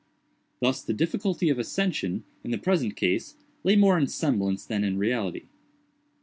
Thus the difficulty of ascension, in the present case, lay more in semblance than in reality.